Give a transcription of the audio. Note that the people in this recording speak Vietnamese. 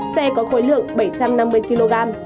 xe có khối lượng bảy trăm năm mươi kg